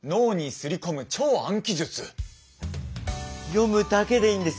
読むだけでいいんですよ。